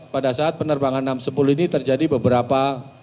pada saat penerbangan enam ratus sepuluh ini terjadi beberapa